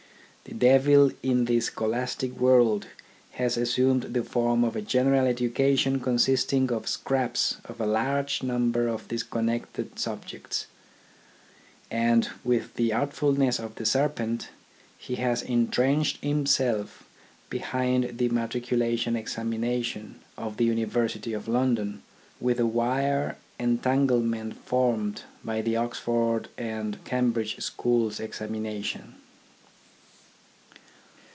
The devil in the scholastic world has assumed the form of a general education consisting of scraps of a large number of disconnected subjects; and, with the artfulness of the serpent, he has entrenched himself behind the matriculation examination of the University of London, with a wire entanglement formed by the Oxford and Cambridge schools' examination.